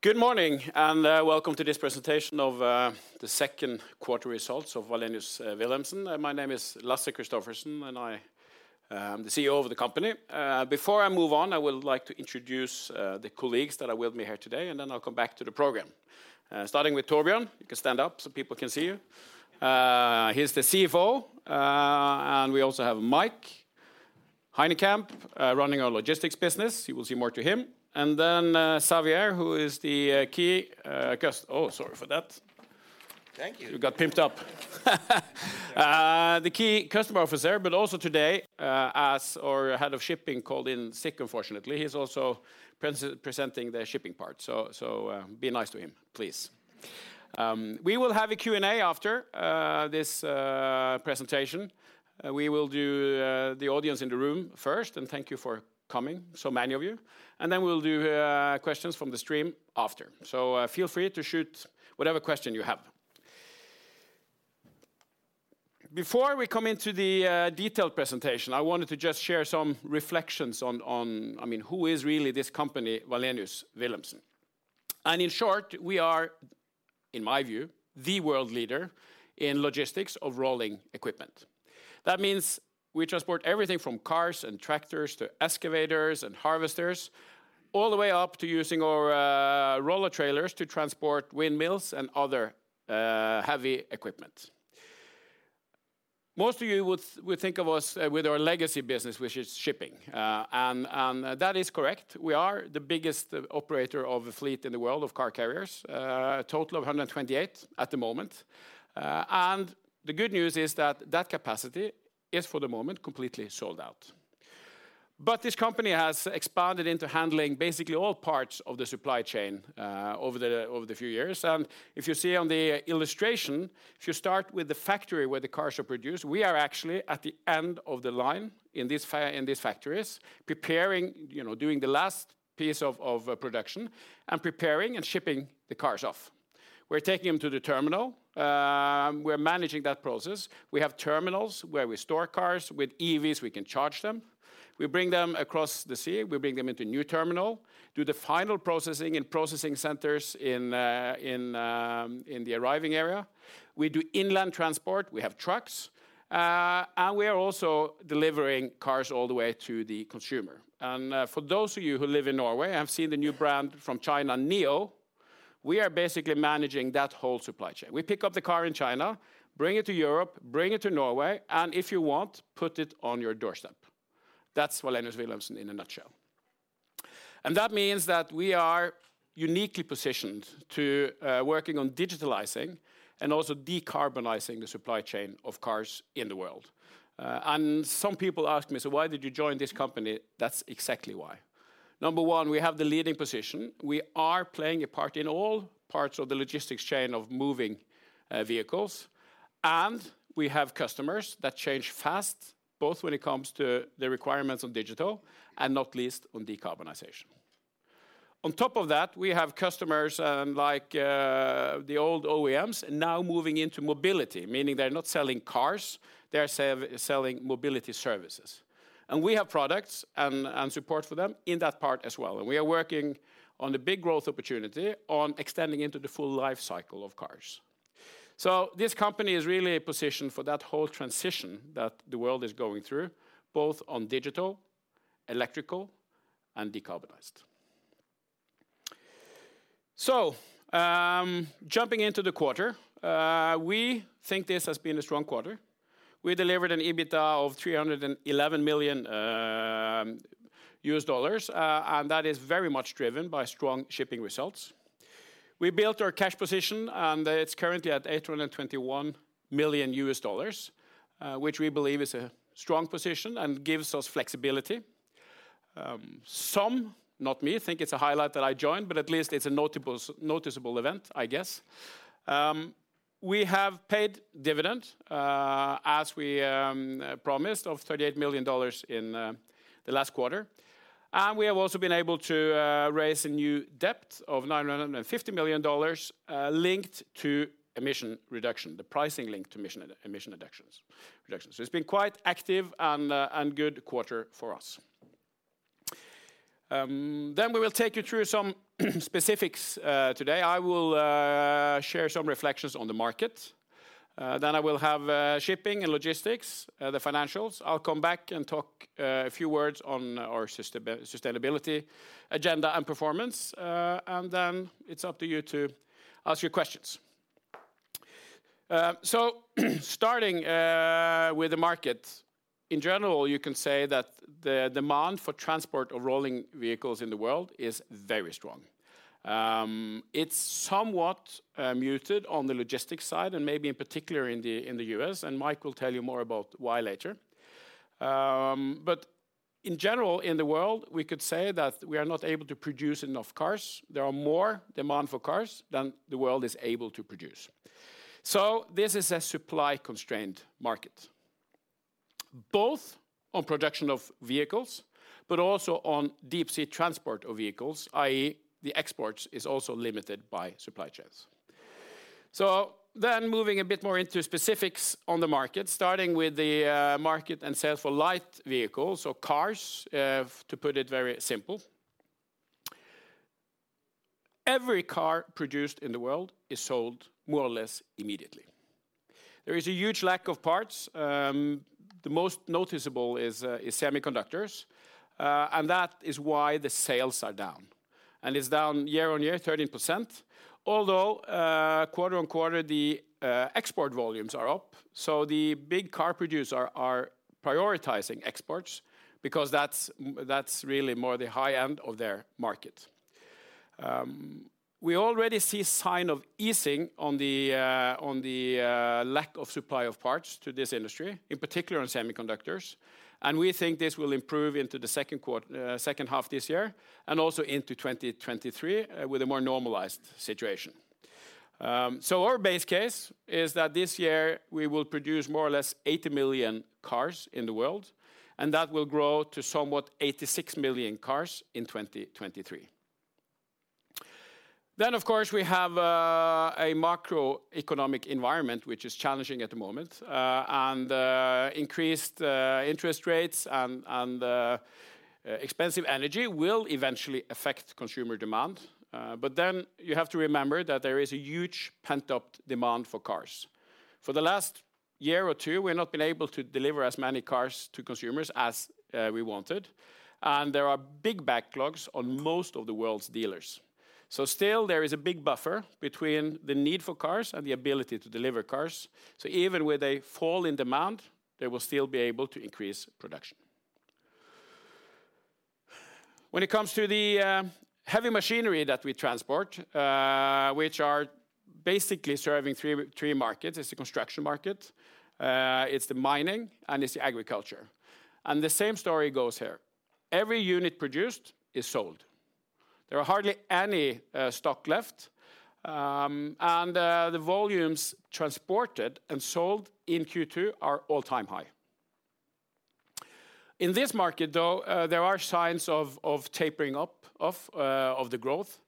Good morning and welcome to this presentation of the second quarter results of Wallenius Wilhelmsen. My name is Lasse Kristoffersen, and I am the CEO of the company. Before I move on, I would like to introduce the colleagues that are with me here today, and then I'll come back to the program. Starting with Torbjørn. You can stand up so people can see you. He's the CFO. We also have Mike Hynekamp running our logistics business. You will see more to him. Xavier. Oh, sorry for that. Thank you. You got pumped up. The chief customer officer, but also today, as our head of shipping called in sick unfortunately, he's also presenting the shipping part, so be nice to him, please. We will have a Q&A after this presentation. We will do the audience in the room first, and thank you for coming, so many of you. Then we'll do questions from the stream after. Feel free to shoot whatever question you have. Before we come into the detailed presentation, I wanted to just share some reflections on, I mean, who is really this company, Wallenius Wilhelmsen? In short, we are, in my view, the world leader in logistics of rolling equipment. That means we transport everything from cars and tractors to excavators and harvesters, all the way up to using our roller trailers to transport windmills and other heavy equipment. Most of you would think of us with our legacy business, which is shipping. That is correct. We are the biggest operator of a fleet in the world of car carriers, a total of 128 at the moment. The good news is that that capacity is, for the moment, completely sold out. This company has expanded into handling basically all parts of the supply chain over the few years. If you see on the illustration, if you start with the factory where the cars are produced, we are actually at the end of the line in these factories, preparing, you know, doing the last piece of production and preparing and shipping the cars off. We're taking them to the terminal. We're managing that process. We have terminals where we store cars. With EVs, we can charge them. We bring them across the sea. We bring them into a new terminal, do the final processing in processing centers in the arriving area. We do inland transport. We have trucks. We are also delivering cars all the way to the consumer. For those of you who live in Norway have seen the new brand from China, NIO, we are basically managing that whole supply chain. We pick up the car in China, bring it to Europe, bring it to Norway, and if you want, put it on your doorstep. That's Wallenius Wilhelmsen in a nutshell. That means that we are uniquely positioned to working on digitalizing and also decarbonizing the supply chain of cars in the world. Some people ask me, "So why did you join this company?" That's exactly why. Number one, we have the leading position. We are playing a part in all parts of the logistics chain of moving vehicles. We have customers that change fast, both when it comes to the requirements of digital and not least on decarbonization. On top of that, we have customers like the old OEMs now moving into mobility, meaning they're not selling cars, they're selling mobility services. We have products and support for them in that part as well. We are working on the big growth opportunity on extending into the full life cycle of cars. This company is really positioned for that whole transition that the world is going through, both on digital, electrical, and decarbonized. Jumping into the quarter, we think this has been a strong quarter. We delivered an EBITDA of $311 million, and that is very much driven by strong shipping results. We built our cash position, and it's currently at $821 million, which we believe is a strong position and gives us flexibility. Some, not me, think it's a highlight that I joined, but at least it's a noticeale event, I guess. We have paid dividend as we promised of $38 million in the last quarter. We have also been able to raise a new debt of $950 million linked to emission reduction, the pricing linked to emission reductions. It's been quite active and good quarter for us. We will take you through some specifics today. I will share some reflections on the market. I will have shipping and logistics the financials. I'll come back and talk a few words on our sustainability agenda and performance, and then it's up to you to ask your questions. Starting with the market, in general, you can say that the demand for transport of rolling vehicles in the world is very strong. It's somewhat muted on the logistics side, and maybe in particular in the U.S., and Mike will tell you more about why later. In general, in the world, we could say that we are not able to produce enough cars. There are more demand for cars than the world is able to produce. This is a supply-constrained market, both on production of vehicles, but also on deep sea transport of vehicles, i.e. the exports is also limited by supply chains. Moving a bit more into specifics on the market, starting with the market and sales for light vehicles or cars, to put it very simple. Every car produced in the world is sold more or less immediately. There is a huge lack of parts. The most noticeable is semiconductors, and that is why the sales are down. It's down year on year 13%. Although, quarter on quarter, the export volumes are up, so the big car producer are prioritizing exports because that's really more the high end of their market. We already see sign of easing on the lack of supply of parts to this industry, in particular on semiconductors, and we think this will improve into the second half this year and also into 2023 with a more normalized situation. Our base case is that this year we will produce more or less 80 million cars in the world, and that will grow to somewhat 86 million cars in 2023. Of course, we have a macroeconomic environment which is challenging at the moment, and increased interest rates and expensive energy will eventually affect consumer demand. You have to remember that there is a huge pent-up demand for cars. For the last year or two, we've not been able to deliver as many cars to consumers as we wanted, and there are big backlogs on most of the world's dealers. Still there is a big buffer between the need for cars and the ability to deliver cars. Even with a fall in demand, they will still be able to increase production. When it comes to the heavy machinery that we transport, which are basically serving three markets. It's the construction market, it's the mining, and it's the agriculture. The same story goes here. Every unit produced is sold. There are hardly any stock left, and the volumes transported and sold in Q2 are all-time high. In this market, though, there are signs of tapering off of the growth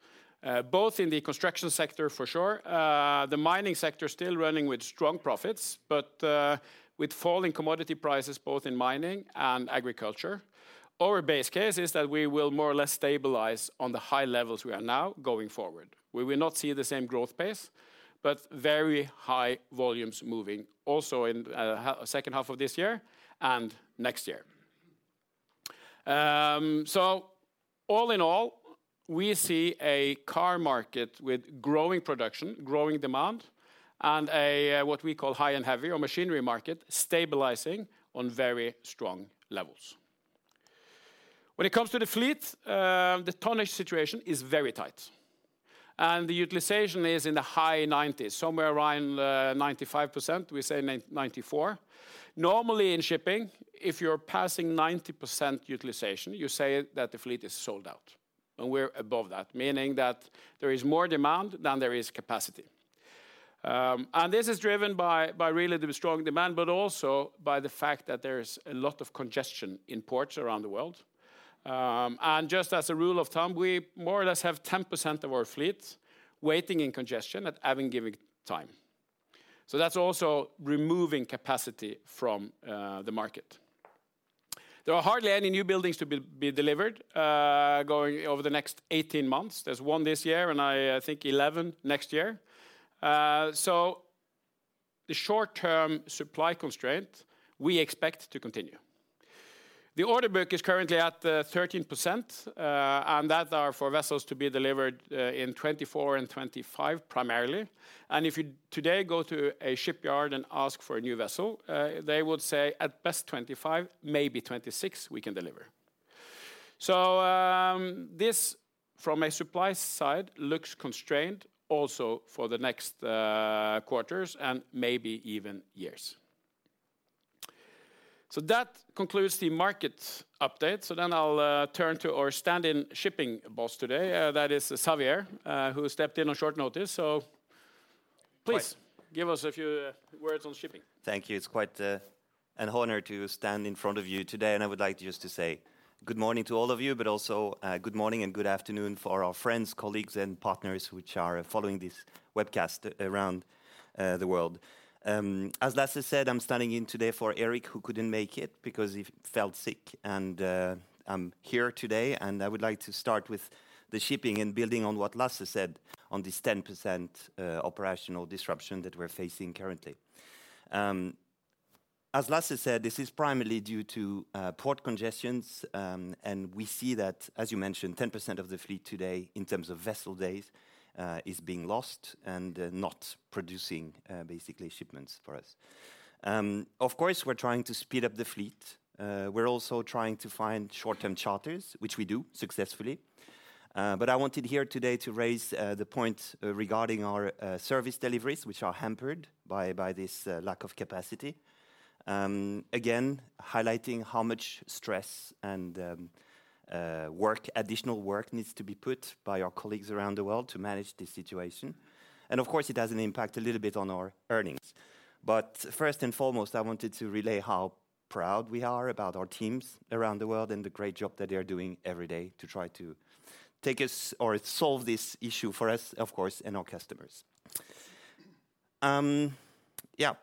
both in the construction sector for sure. The mining sector is still running with strong profits. With falling commodity prices both in mining and agriculture, our base case is that we will more or less stabilize on the high levels we are now going forward. We will not see the same growth pace, but very high volumes moving also in second half of this year and next year. All in all, we see a car market with growing production, growing demand, and a what we call high and heavy or machinery market stabilizing on very strong levels. When it comes to the fleet, the tonnage situation is very tight, and the utilization is in the high 90s, somewhere around 95%. We say 94. Normally in shipping, if you're passing 90% utilization, you say that the fleet is sold out, and we're above that, meaning that there is more demand than there is capacity. This is driven by really the strong demand, but also by the fact that there is a lot of congestion in ports around the world. Just as a rule of thumb, we more or less have 10% of our fleet waiting in congestion at any given time. So that's also removing capacity from the market. There are hardly any new buildings to be delivered going over the next 18 months. There's one this year and I think 11 next year. The short-term supply constraint we expect to continue. The order book is currently at 13%, and that are for vessels to be delivered in 2024 and 2025 primarily. If you today go to a shipyard and ask for a new vessel, they would say, at best 2025, maybe 2026, we can deliver. This from a supply side looks constrained also for the next quarters and maybe even years. That concludes the market update. Then I'll turn to our stand-in shipping boss today, that is Xavier, who stepped in on short notice. Please give us a few words on shipping. Thank you. It's quite an honor to stand in front of you today, and I would like just to say good morning to all of you, but also good morning and good afternoon for our friends, colleagues, and partners which are following this webcast around the world. As Lasse said, I'm standing in today for Eric, who couldn't make it because he felt sick. I'm here today, and I would like to start with the shipping and building on what Lasse said on this 10% operational disruption that we're facing currently. As Lasse said, this is primarily due to port congestions, and we see that, as you mentioned, 10% of the fleet today in terms of vessel days is being lost and not producing basically shipments for us. Of course, we're trying to speed up the fleet. We're also trying to find short-term charters, which we do successfully. I wanted here today to raise the point regarding our service deliveries, which are hampered by this lack of capacity. Again, highlighting how much stress and additional work needs to be put by our colleagues around the world to manage this situation. Of course, it has an impact a little bit on our earnings. First and foremost, I wanted to relay how proud we are about our teams around the world and the great job that they are doing every day to try to take us or solve this issue for us, of course, and our customers. Yeah.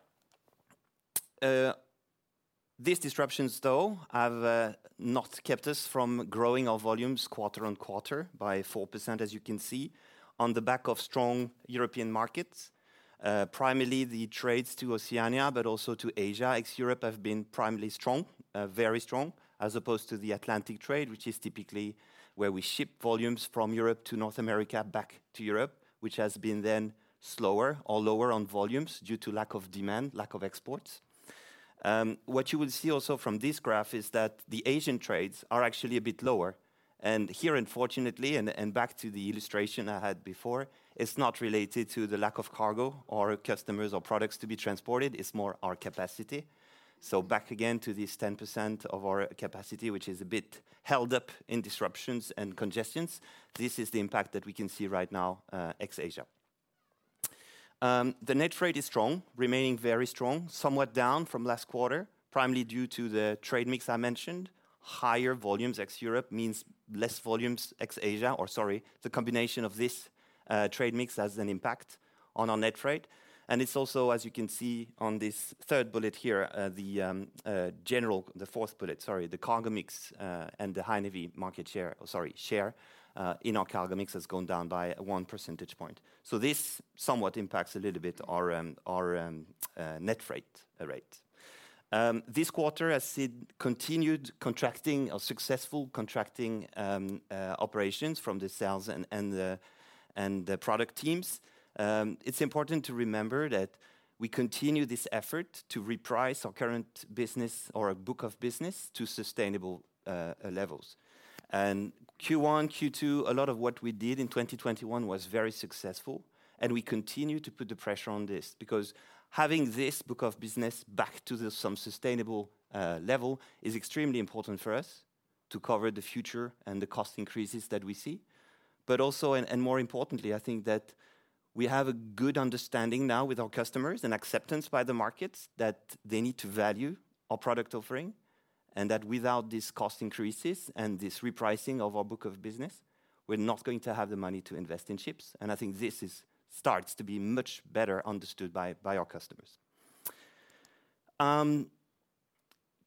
These disruptions, though, have not kept us from growing our volumes quarter on quarter by 4%, as you can see, on the back of strong European markets. Primarily the trades to Oceania, but also to Asia. ex-Europe have been primarily strong, very strong, as opposed to the Atlantic trade, which is typically where we ship volumes from Europe to North America back to Europe, which has been then slower or lower on volumes due to lack of demand, lack of exports. What you will see also from this graph is that the Asian trades are actually a bit lower. Here, unfortunately, and back to the illustration I had before, it's not related to the lack of cargo or customers or products to be transported, it's more our capacity. Back again to this 10% of our capacity, which is a bit held up in disruptions and congestions. This is the impact that we can see right now, ex-Asia. The net freight is strong, remaining very strong, somewhat down from last quarter, primarily due to the trade mix I mentioned. Higher volumes ex-Europe means less volumes ex-Asia. The combination of this trade mix has an impact on our net freight. And it's also, as you can see on this third bullet here, the fourth bullet. The cargo mix and the high and heavy market share in our cargo mix has gone down by one percentage point. This somewhat impacts a little bit our net freight rate. This quarter has seen continued contracting or successful contracting operations from the sales and the product teams. It's important to remember that we continue this effort to reprice our current business or our book of business to sustainable levels. Q1, Q2, a lot of what we did in 2021 was very successful, and we continue to put the pressure on this, because having this book of business back to some sustainable level is extremely important for us to cover the future and the cost increases that we see. I think that we have a good understanding now with our customers and acceptance by the markets that they need to value our product offering, and that without these cost increases and this repricing of our book of business, we're not going to have the money to invest in ships. I think this starts to be much better understood by our customers.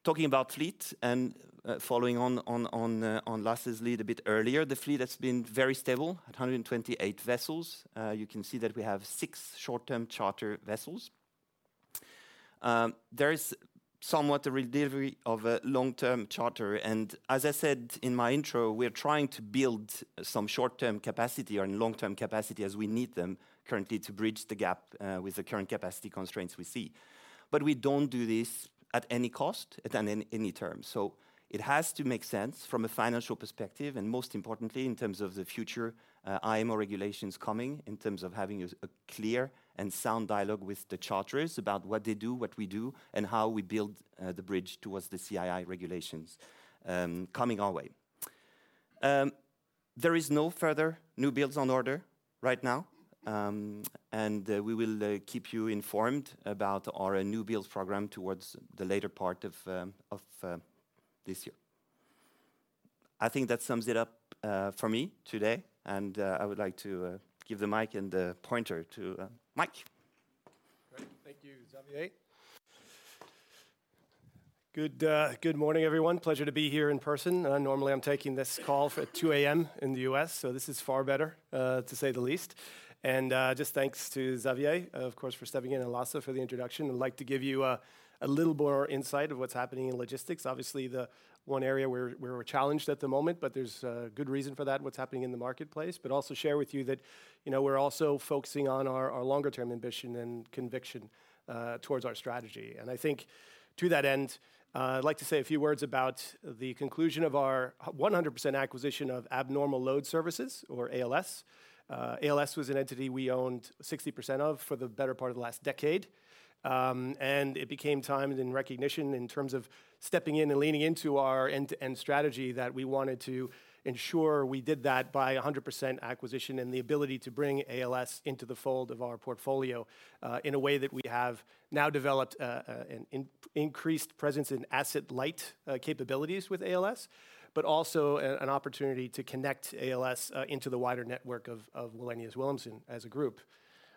Talking about fleet and following on Lasse's lead a bit earlier. The fleet has been very stable at 128 vessels. You can see that we have six short-term charter vessels. There is somewhat a redelivery of a long-term charter, and as I said in my intro, we are trying to build some short-term capacity or long-term capacity as we need them currently to bridge the gap with the current capacity constraints we see. We don't do this at any cost at any term. It has to make sense from a financial perspective, and most importantly, in terms of the future IMO regulations coming, in terms of having a clear and sound dialogue with the charterers about what they do, what we do, and how we build the bridge towards the CII regulations coming our way. There is no further new builds on order right now. We will keep you informed about our new builds program towards the later part of this year. I think that sums it up for me today, and I would like to give the mic and the pointer to Mike. Great. Thank you, Xavier. Good morning, everyone. Pleasure to be here in person. Normally I'm taking this call at 2:00 A.M. in the U.S., so this is far better, to say the least. Just thanks to Xavier, of course, for stepping in, and Lasse for the introduction. I'd like to give you a little more insight into what's happening in logistics. Obviously, the one area we're challenged at the moment, but there's good reason for that, what's happening in the marketplace. Also share with you that, you know, we're also focusing on our longer term ambition and conviction towards our strategy. I think to that end, I'd like to say a few words about the conclusion of our 100% acquisition of Abnormal Load Services or ALS. ALS was an entity we owned 60% of for the better part of the last decade. It became time in recognition in terms of stepping in and leaning into our end-to-end strategy that we wanted to ensure we did that by 100% acquisition and the ability to bring ALS into the fold of our portfolio, in a way that we have now developed an increased presence in asset-light capabilities with ALS, but also an opportunity to connect ALS into the wider network of Wallenius Wilhelmsen as a group.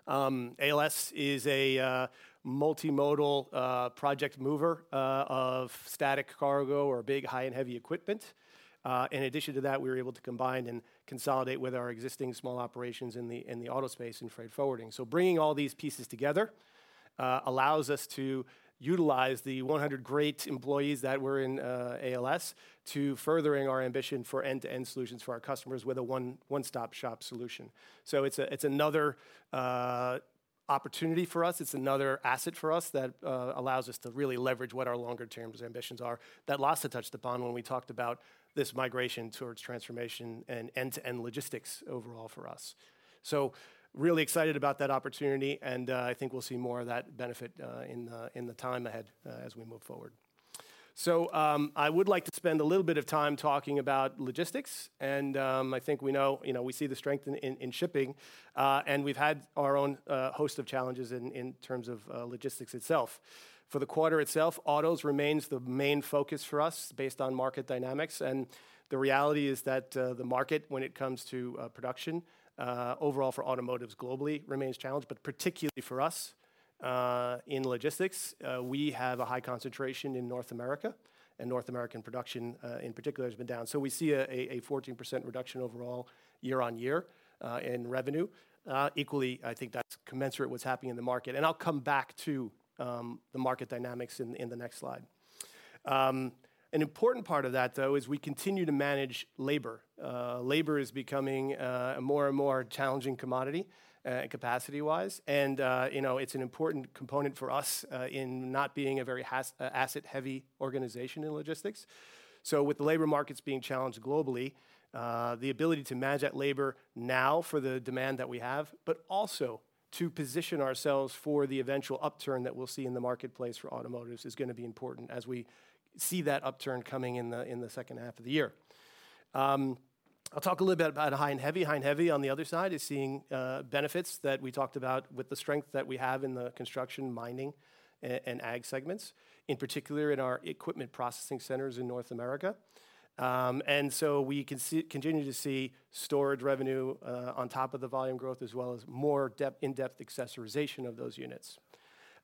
ALS is a multimodal project mover of static cargo or big, high and heavy equipment. In addition to that, we were able to combine and consolidate with our existing small operations in the auto space and freight forwarding. Bringing all these pieces together allows us to utilize the 100 great employees that were in ALS to furthering our ambition for end-to-end solutions for our customers with a one-stop shop solution. It's another opportunity for us. It's another asset for us that allows us to really leverage what our longer term ambitions are that Lasse touched upon when we talked about this migration towards transformation and end-to-end logistics overall for us. Really excited about that opportunity, and I think we'll see more of that benefit in the time ahead as we move forward. I would like to spend a little bit of time talking about logistics, and I think we know, you know, we see the strength in shipping, and we've had our own host of challenges in terms of logistics itself. For the quarter itself, autos remains the main focus for us based on market dynamics, and the reality is that the market when it comes to production overall for automotive globally remains challenged, but particularly for us in logistics. We have a high concentration in North America, and North American production in particular has been down. We see a 14% reduction overall year-on-year in revenue. Equally, I think that's commensurate with what's happening in the market, and I'll come back to the market dynamics in the next slide. An important part of that though is we continue to manage labor. Labor is becoming a more and more challenging commodity capacity-wise, and you know, it's an important component for us in not being a very asset-heavy organization in logistics. With the labor markets being challenged globally, the ability to manage that labor now for the demand that we have, but also to position ourselves for the eventual upturn that we'll see in the marketplace for automotives is gonna be important as we see that upturn coming in the second half of the year. I'll talk a little bit about high and heavy. High and heavy on the other side is seeing benefits that we talked about with the strength that we have in the construction, mining, and ag segments, in particular in our equipment processing centers in North America. We can continue to see storage revenue on top of the volume growth, as well as more in-depth accessorization of those units.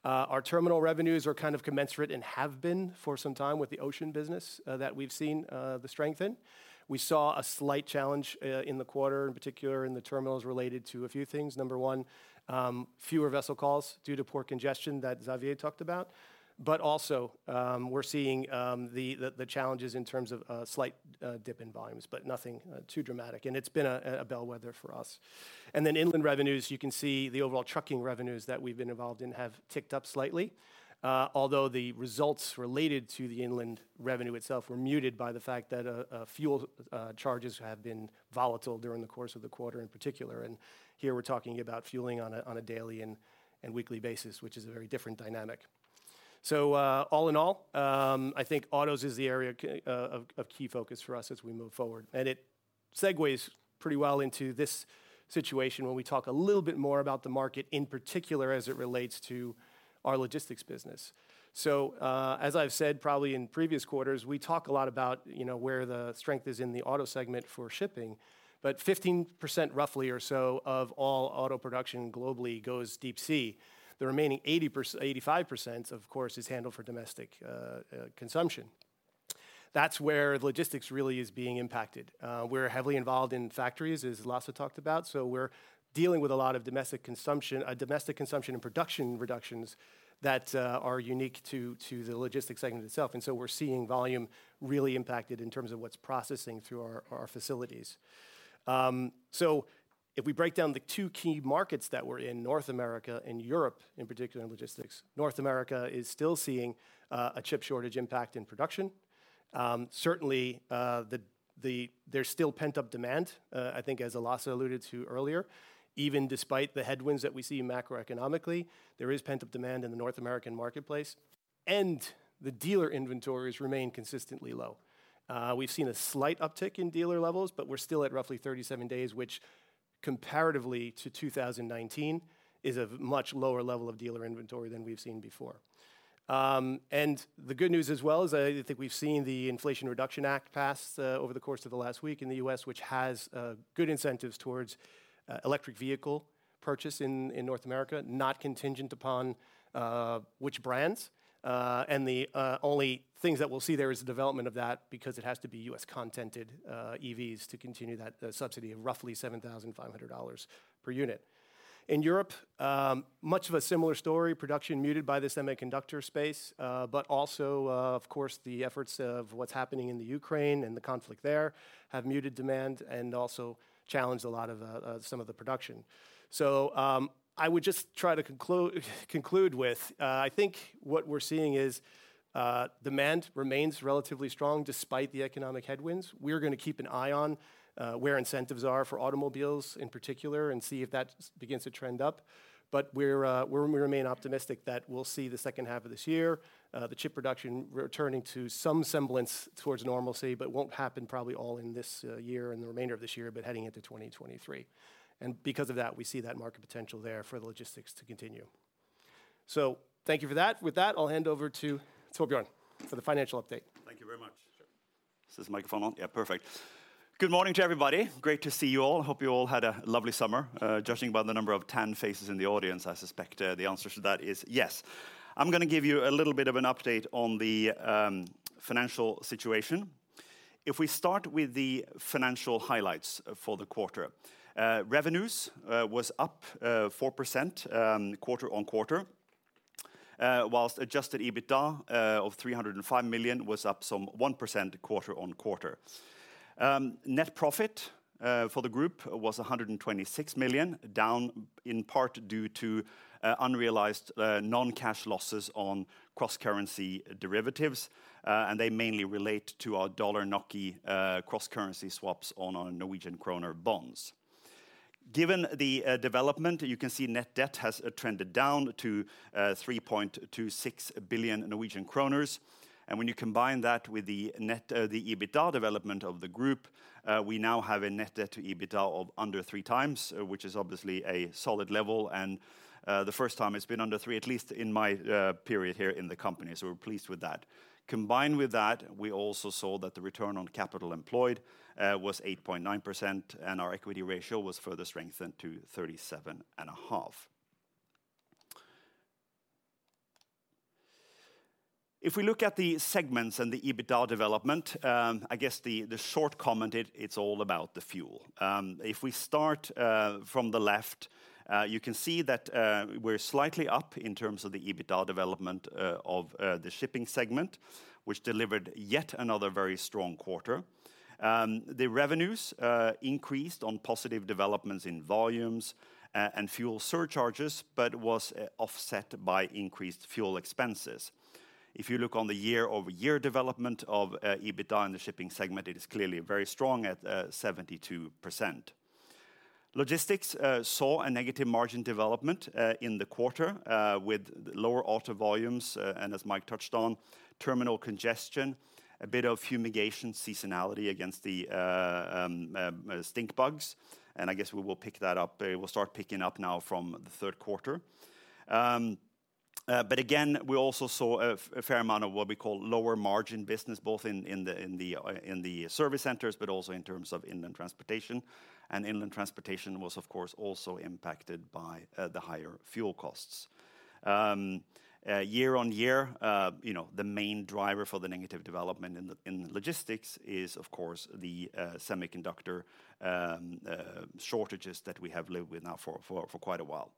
Our terminal revenues are kind of commensurate and have been for some time with the ocean business that we've seen the strength in. We saw a slight challenge in the quarter, in particular in the terminals related to a few things. Number one, fewer vessel calls due to port congestion that Xavier talked about. Also, we're seeing the challenges in terms of a slight dip in volumes, but nothing too dramatic, and it's been a bellwether for us. Inland revenues, you can see the overall trucking revenues that we've been involved in have ticked up slightly, although the results related to the inland revenue itself were muted by the fact that fuel charges have been volatile during the course of the quarter in particular, and here we're talking about fueling on a daily and weekly basis, which is a very different dynamic. All in all, I think autos is the area of key focus for us as we move forward, and it segues pretty well into this situation when we talk a little bit more about the market, in particular as it relates to our logistics business. As I've said probably in previous quarters, we talk a lot about, you know, where the strength is in the auto segment for shipping, but 15% roughly or so of all auto production globally goes deep sea. The remaining 85%, of course, is handled for domestic consumption. That's where logistics really is being impacted. We're heavily involved in factories, as Lasse talked about, so we're dealing with a lot of domestic consumption and production reductions that are unique to the logistics segment itself, and so we're seeing volume really impacted in terms of what's processing through our facilities. If we break down the two key markets that we're in, North America and Europe in particular in logistics, North America is still seeing a chip shortage impact in production. Certainly, there's still pent-up demand, I think as Lasse alluded to earlier. Even despite the headwinds that we see macroeconomically, there is pent-up demand in the North American marketplace, and the dealer inventories remain consistently low. We've seen a slight uptick in dealer levels, but we're still at roughly 37 days, which comparatively to 2019 is a much lower level of dealer inventory than we've seen before. The good news as well is I think we've seen the Inflation Reduction Act pass over the course of the last week in the U.S., which has good incentives towards electric vehicle purchase in North America, not contingent upon which brands. The only things that we'll see there is the development of that because it has to be U.S. content EVs to continue that subsidy of roughly $7,500 per unit. In Europe, much of a similar story, production muted by the semiconductor space, but also, of course, the efforts of what's happening in Ukraine and the conflict there have muted demand and also challenged a lot of some of the production. I would just try to conclude with, I think what we're seeing is, demand remains relatively strong despite the economic headwinds. We're gonna keep an eye on where incentives are for automobiles in particular and see if that begins to trend up. We remain optimistic that we'll see the second half of this year, the chip production returning to some semblance towards normalcy, but it won't happen probably all in this year, in the remainder of this year, but heading into 2023. Because of that, we see that market potential there for the logistics to continue. Thank you for that. With that, I'll hand over to Torbjørn for the financial update. Thank you very much. Sure. Is this microphone on? Yeah, perfect. Good morning to everybody. Great to see you all. Hope you all had a lovely summer. Judging by the number of tan faces in the audience, I suspect the answer to that is yes. I'm gonna give you a little bit of an update on the financial situation. If we start with the financial highlights for the quarter, revenues was up 4% quarter-on-quarter, while Adjusted EBITDA of $305 million was up some 1% quarter-on-quarter. Net profit for the group was $126 million, down in part due to unrealized non-cash losses on cross-currency derivatives, and they mainly relate to our dollar NOK cross-currency swaps on our Norwegian kroner bonds. Given the development, you can see net debt has trended down to 3.26 billion Norwegian kroner. When you combine that with the EBITDA development of the group, we now have a net debt to EBITDA of under three times, which is obviously a solid level and the first time it's been under three, at least in my period here in the company. We're pleased with that. Combined with that, we also saw that the return on capital employed was 8.9%, and our equity ratio was further strengthened to 37.5. If we look at the segments and the EBITDA development, I guess the short comment it's all about the fuel. If we start from the left, you can see that we're slightly up in terms of the EBITDA development of the shipping segment, which delivered yet another very strong quarter. The revenues increased on positive developments in volumes and fuel surcharges, but was offset by increased fuel expenses. If you look on the year-over-year development of EBITDA in the shipping segment, it is clearly very strong at 72%. Logistics saw a negative margin development in the quarter with lower auto volumes and as Mike touched on, terminal congestion, a bit of fumigation seasonality against the stink bugs, and I guess we will pick that up. We'll start picking up now from the third quarter. Again, we also saw a fair amount of what we call lower margin business, both in the service centers, but also in terms of inland transportation. Inland transportation was, of course, also impacted by the higher fuel costs. Year-on-year, you know, the main driver for the negative development in logistics is, of course, the semiconductor shortages that we have lived with now for quite a while.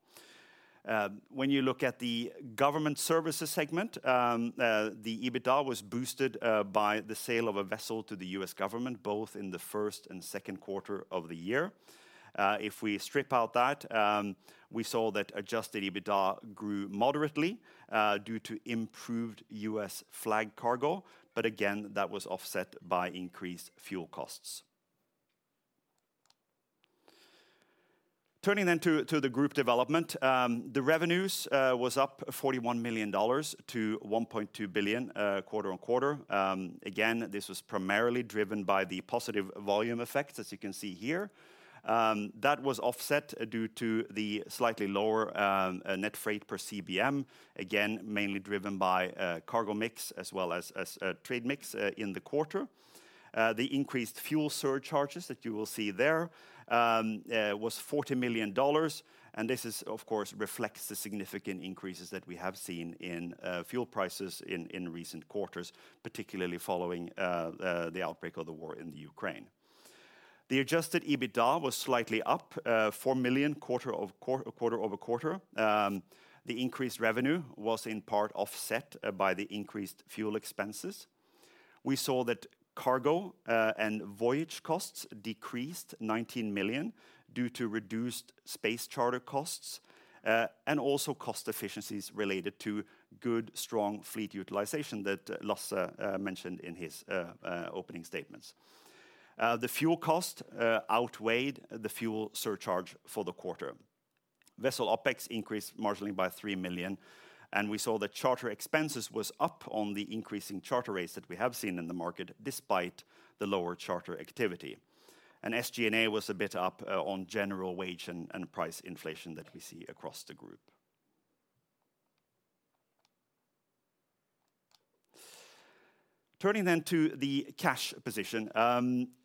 When you look at the government services segment, the EBITDA was boosted by the sale of a vessel to the U.S. government, both in the first and second quarter of the year. If we strip out that, we saw that Adjusted EBITDA grew moderately due to improved U.S. flag cargo. Again, that was offset by increased fuel costs. Turning to the group development, the revenues was up $41 million to $1.2 billion quarter-over-quarter. Again, this was primarily driven by the positive volume effects, as you can see here. That was offset due to the slightly lower net freight per CBM, again, mainly driven by cargo mix as well as trade mix in the quarter. The increased fuel surcharges that you will see there was $40 million, and this is, of course, reflects the significant increases that we have seen in fuel prices in recent quarters, particularly following the outbreak of the war in Ukraine. The Adjusted EBITDA was slightly up $4 million quarter over quarter. The increased revenue was in part offset by the increased fuel expenses. We saw that cargo and voyage costs decreased $19 million due to reduced space charter costs and also cost efficiencies related to good, strong fleet utilization that Lasse mentioned in his opening statements. The fuel cost outweighed the fuel surcharge for the quarter. Vessel OpEx increased marginally by $3 million, and we saw that charter expenses was up on the increasing charter rates that we have seen in the market despite the lower charter activity. SG&A was a bit up on general wage and price inflation that we see across the group. Turning then to the cash position.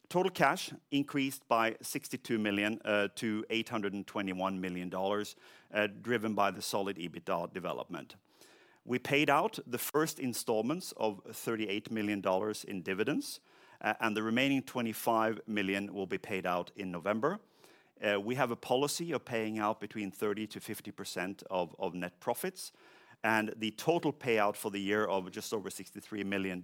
Total cash increased by $62 million to $621 million, driven by the solid EBITDA development. We paid out the first installments of $38 million in dividends, and the remaining $25 million will be paid out in November. We have a policy of paying out between 30%-50% of net profits, and the total payout for the year of just over $63 million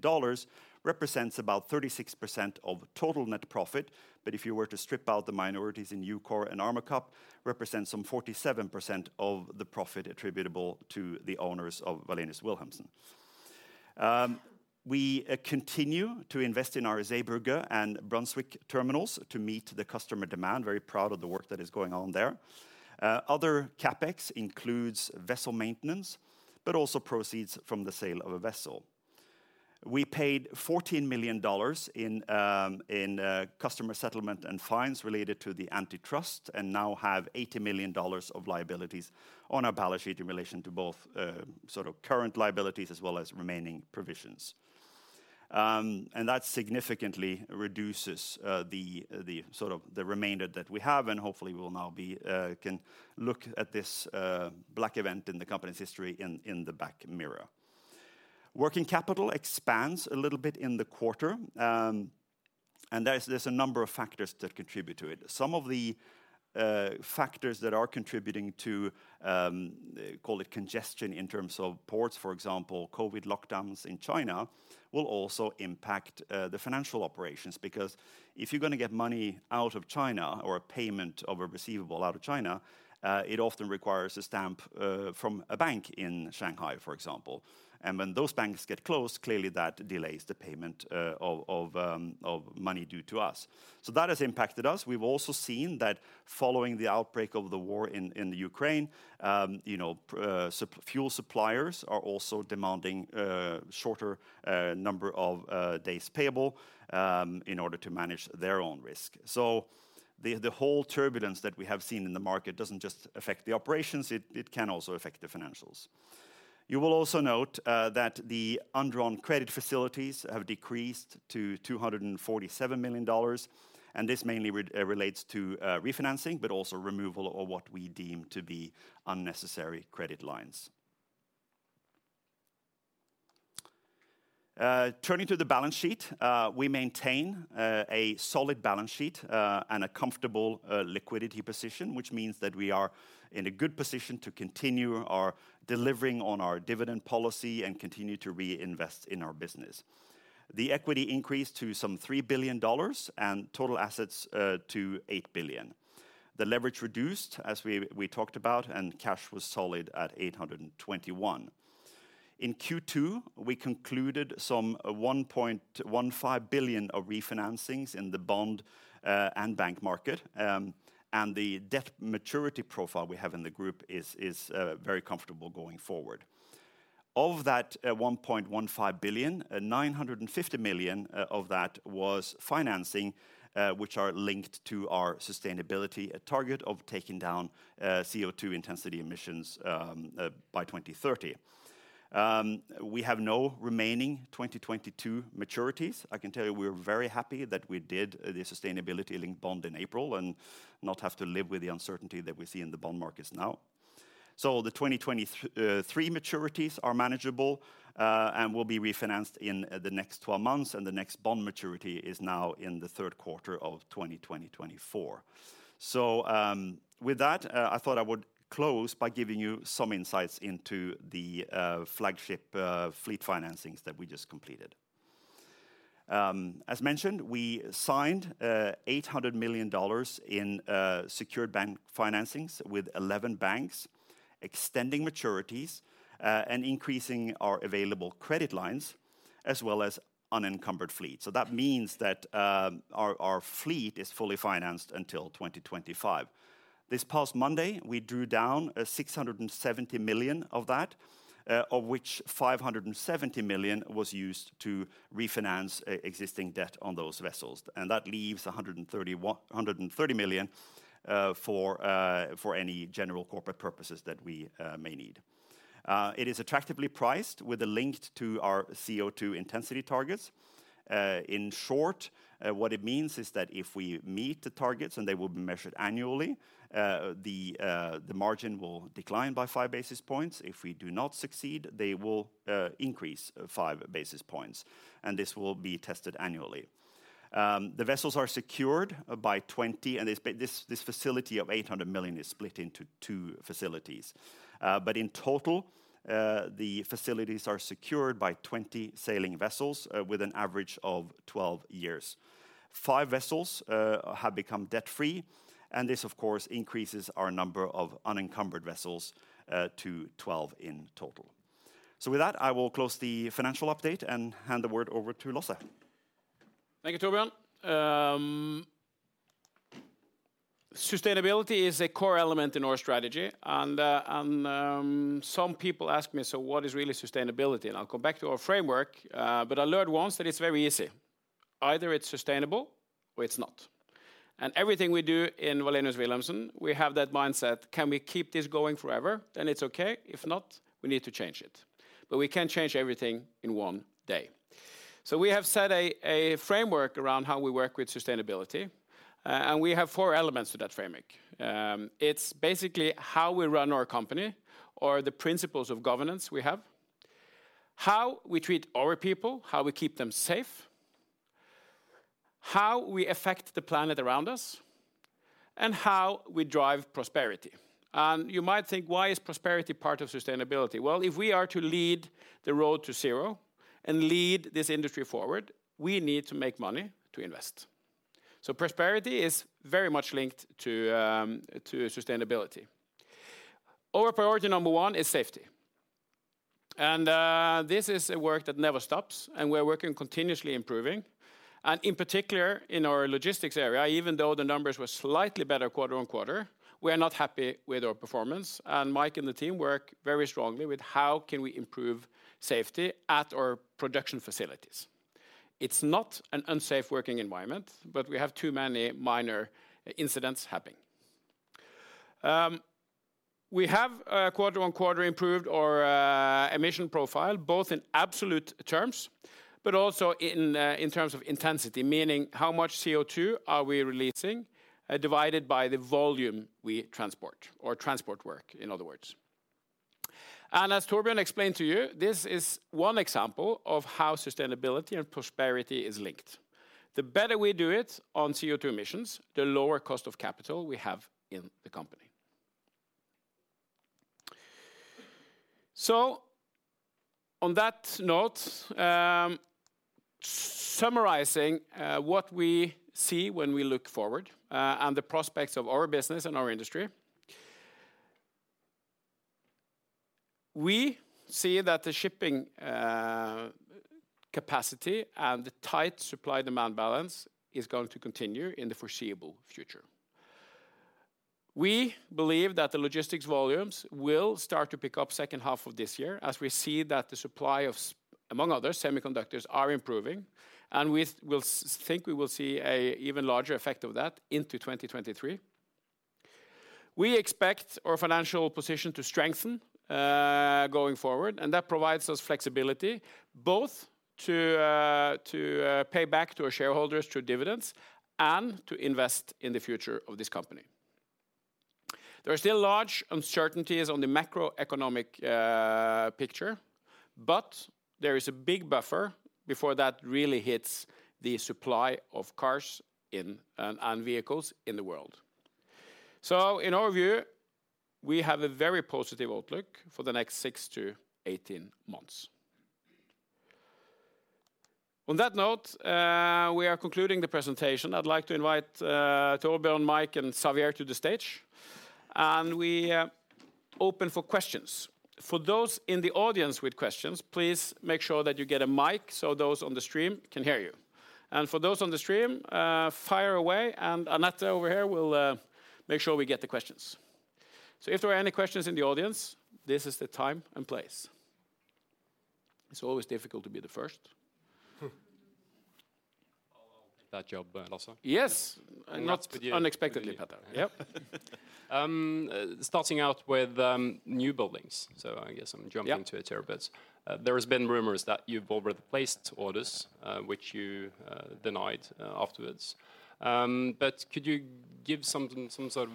represents about 36% of total net profit. If you were to strip out the minorities in EUKOR and Armacup, represents some 47% of the profit attributable to the owners of Wallenius Wilhelmsen. We continue to invest in our Zeebrugge and Brunswick terminals to meet the customer demand. Very proud of the work that is going on there. Other CapEx includes vessel maintenance, but also proceeds from the sale of a vessel. We paid $14 million in customer settlement and fines related to the antitrust, and now have $80 million of liabilities on our balance sheet in relation to both sort of current liabilities as well as remaining provisions. And that significantly reduces the sort of the remainder that we have, and hopefully we will now be can look at this black event in the company's history in the back mirror. Working capital expands a little bit in the quarter. There's a number of factors that contribute to it. Some of the factors that are contributing to, call it congestion in terms of ports, for example, COVID lockdowns in China, will also impact the financial operations because if you're gonna get money out of China or a payment of a receivable out of China, it often requires a stamp from a bank in Shanghai, for example. When those banks get closed, clearly that delays the payment of money due to us. That has impacted us. We've also seen that following the outbreak of the war in Ukraine, you know, fuel suppliers are also demanding shorter number of days payable in order to manage their own risk. The whole turbulence that we have seen in the market doesn't just affect the operations, it can also affect the financials. You will also note that the undrawn credit facilities have decreased to $247 million, and this mainly relates to refinancing, but also removal of what we deem to be unnecessary credit lines. Turning to the balance sheet, we maintain a solid balance sheet and a comfortable liquidity position, which means that we are in a good position to continue our delivering on our dividend policy and continue to reinvest in our business. The equity increased to some $3 billion and total assets to $8 billion. The leverage reduced as we talked about, and cash was solid at $821 million. In Q2, we concluded some $1.15 billion of refinancings in the bond and bank market, and the debt maturity profile we have in the group is very comfortable going forward. Of that $1.15 billion, $950 million of that was financing which are linked to our sustainability target of taking down CO2 intensity emissions by 2030. We have no remaining 2022 maturities. I can tell you we are very happy that we did the sustainability linked bond in April and not have to live with the uncertainty that we see in the bond markets now. The 2023 maturities are manageable and will be refinanced in the next 12 months, and the next bond maturity is now in the third quarter of 2024. With that, I thought I would close by giving you some insights into the flagship fleet financings that we just completed. As mentioned, we signed $800 million in secured bank financings with 11 banks, extending maturities and increasing our available credit lines, as well as unencumbered fleet. That means that our fleet is fully financed until 2025. This past Monday, we drew down $670 million of that, of which $570 million was used to refinance existing debt on those vessels. That leaves $130 million for any general corporate purposes that we may need. It is attractively priced with a link to our CO₂ intensity targets. In short, what it means is that if we meet the targets, and they will be measured annually, the margin will decline by 5 basis points. If we do not succeed, they will increase 5 basis points, and this will be tested annually. The vessels are secured by 20, and this facility of $800 million is split into two facilities. In total, the facilities are secured by 20 sailing vessels with an average of 12 years. Five vessels have become debt-free, and this of course increases our number of unencumbered vessels to 12 in total. With that, I will close the financial update and hand the word over to Lasse. Thank you, Torbjørn. Sustainability is a core element in our strategy, and some people ask me, "So what is really sustainability?" I'll go back to our framework, but I learned once that it's very easy. Either it's sustainable or it's not. Everything we do in Wallenius Wilhelmsen, we have that mindset, can we keep this going forever? It's okay. If not, we need to change it. We can't change everything in one day. We have set a framework around how we work with sustainability, and we have four elements to that framework. It's basically how we run our company or the principles of governance we have. How we treat our people, how we keep them safe, how we affect the planet around us, and how we drive prosperity. You might think, why is prosperity part of sustainability? Well, if we are to lead the road to zero and lead this industry forward, we need to make money to invest. Prosperity is very much linked to sustainability. Our priority number one is safety. This is a work that never stops, and we're working continuously improving. In particular, in our logistics area, even though the numbers were slightly better quarter-on-quarter, we are not happy with our performance. Mike and the team work very strongly with how can we improve safety at our production facilities. It's not an unsafe working environment, but we have too many minor incidents happening We have quarter-on-quarter improved our emission profile, both in absolute terms, but also in terms of intensity, meaning how much CO₂ are we releasing divided by the volume we transport or transport work, in other words. As Torbjørn explained to you, this is one example of how sustainability and prosperity is linked. The better we do it on CO₂ emissions, the lower cost of capital we have in the company. On that note, summarizing what we see when we look forward and the prospects of our business and our industry. We see that the shipping capacity and the tight supply-demand balance is going to continue in the foreseeable future. We believe that the logistics volumes will start to pick up second half of this year as we see that the supply of, among other, semiconductors are improving, and we will think we will see an even larger effect of that into 2023. We expect our financial position to strengthen going forward, and that provides us flexibility both to pay back to our shareholders through dividends and to invest in the future of this company. There are still large uncertainties on the macroeconomic picture, but there is a big buffer before that really hits the supply of cars and vehicles in the world. In our view, we have a very positive outlook for the next six to 18 months. On that note, we are concluding the presentation. I'd like to invite Torbjørn, Mike, and Xavier to the stage, and we open for questions. For those in the audience with questions, please make sure that you get a mic so those on the stream can hear you. For those on the stream, fire away and Anette over here will make sure we get the questions. If there are any questions in the audience, this is the time and place. It's always difficult to be the first. Bad job, Lasse? Yes. Not unexpectedly, Petter. Yep. Starting out with new buildings. I guess I'm jumping to it here a bit. Yeah. There has been rumors that you've already placed orders, which you denied afterwards. Could you give something, some sort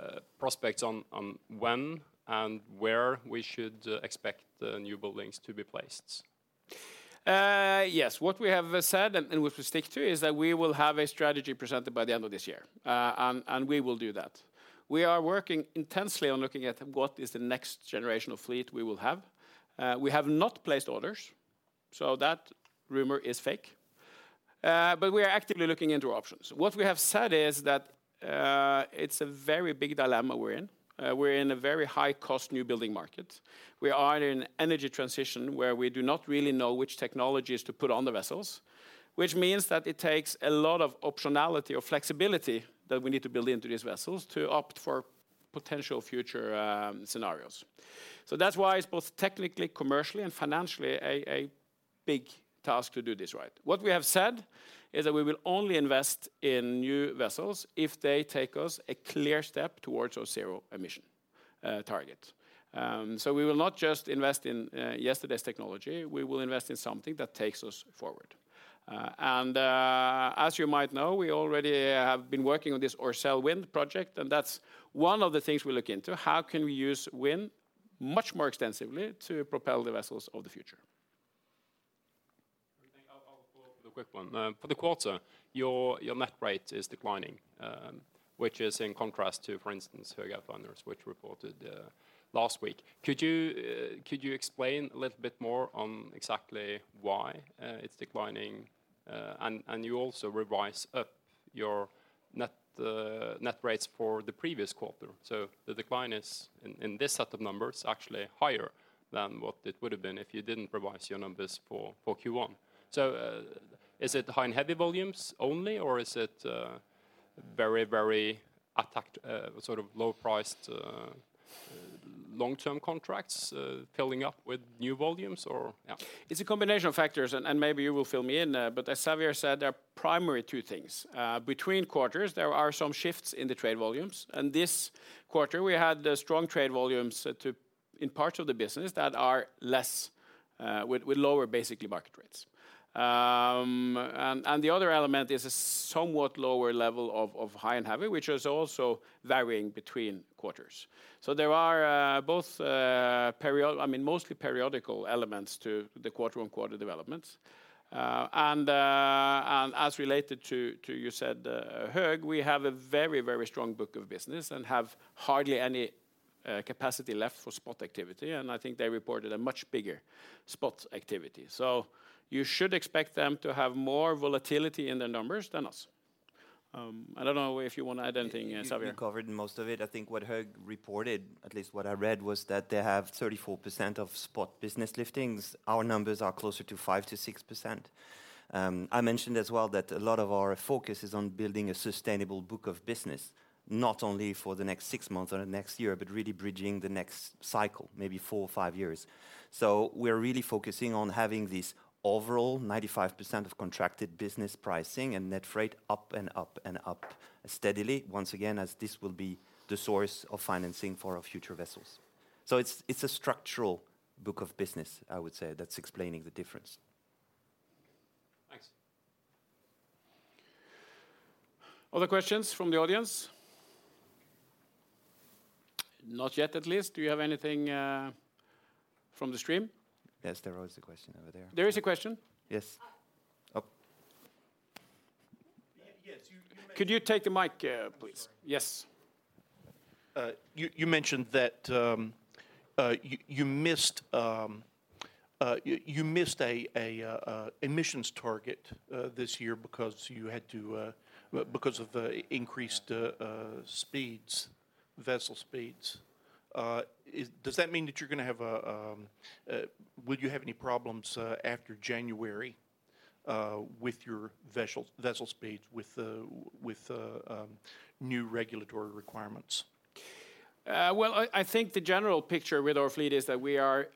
of prospects on when and where we should expect the new buildings to be placed? Yes. What we have said and which we stick to is that we will have a strategy presented by the end of this year. We will do that. We are working intensely on looking at what is the next generation of fleet we will have. We have not placed orders, so that rumor is fake. We are actively looking into options. What we have said is that it's a very big dilemma we're in. We're in a very high-cost new building market. We are in an energy transition where we do not really know which technologies to put on the vessels, which means that it takes a lot of optionality or flexibility that we need to build into these vessels to opt for potential future scenarios. That's why it's both technically, commercially, and financially a big task to do this right. What we have said is that we will only invest in new vessels if they take us a clear step towards our zero-emission target. We will not just invest in yesterday's technology. We will invest in something that takes us forward. As you might know, we already have been working on this Orcelle Wind project, and that's one of the things we look into. How can we use wind much more extensively to propel the vessels of the future? I'll go for the quick one. For the quarter, your net rate is declining, which is in contrast to, for instance, Höegh Autoliners, which reported last week. Could you explain a little bit more on exactly why it's declining? You also revise up your net rates for the previous quarter. The decline is in this set of numbers actually higher than what it would have been if you didn't revise your numbers for Q1. Is it the high and heavy volumes only, or is it very attractive sort of low-priced long-term contracts filling up with new volumes or? It's a combination of factors, maybe you will fill me in, but as Xavier said, there are primarily two things. Between quarters, there are some shifts in the trade volumes, and this quarter, we had strong trade volumes in parts of the business that have lower, basically, market rates. The other element is a somewhat lower level of high and heavy, which is also varying between quarters. There are both, I mean, mostly periodic elements to the quarter-on-quarter developments. As related to what you said, Höegh, we have a very, very strong book of business and have hardly any capacity left for spot activity, and I think they reported a much bigger spot activity. You should expect them to have more volatility in their numbers than us. I don't know if you wanna add anything, Xavier. You covered most of it. I think what Höegh reported, at least what I read, was that they have 34% of spot business liftings. Our numbers are closer to 5%-6%. I mentioned as well that a lot of our focus is on building a sustainable book of business, not only for the next six months or the next year, but really bridging the next cycle, maybe four or five years. We're really focusing on having this overall 95% of contracted business pricing and net freight up and up and up steadily, once again, as this will be the source of financing for our future vessels. It's a structural book of business, I would say, that's explaining the difference. Other questions from the audience? Not yet, at least. Do you have anything from the stream? Yes, there was a question over there. There is a question? Yes. Oh. Yes, you- Could you take the mic, please? I'm sorry. Yes. You mentioned that you missed an emissions target this year because of the increased vessel speeds. Would you have any problems after January with your vessel speeds with the new regulatory requirements? I think the general picture with our fleet is that we are